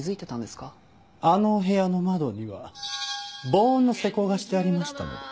あのお部屋の窓には防音の施工がしてありましたので。